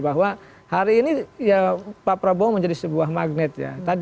bahwa hari ini ya pak prabowo menjadi sebuah magnet ya